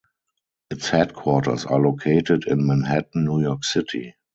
Its headquarters are located in Manhattan, New York City.